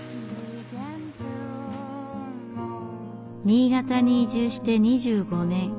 新潟に移住して２５年。